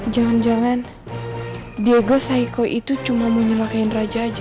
jangan jangan diego sahiko itu cuma mau nyelakain raja aja